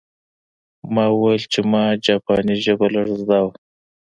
ما وویل چې ما جاپاني ژبه لږه زده وه